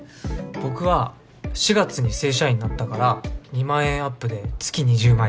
僕は４月に正社員になったから２万円アップで月２０万円。